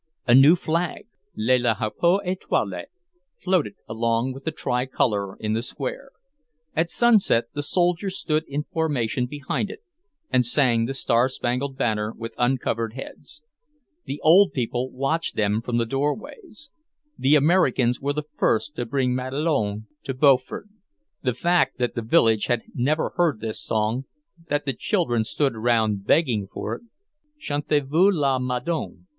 A new flag, le drapeau étoilé, floated along with the tricolour in the square. At sunset the soldiers stood in formation behind it and sang "The Star Spangled Banner" with uncovered heads. The old people watched them from the doorways. The Americans were the first to bring "Madelon" to Beaufort. The fact that the village had never heard this song, that the children stood round begging for it, "Chantez vous la Madelon!"